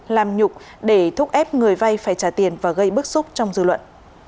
làm nhục để thúc ép người vay phải trả tiền và gây bức xúc trong dư luận